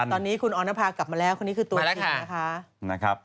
ตอนนี้คุณออนภากลับมาแล้วคนนี้คือตัวจริงนะคะ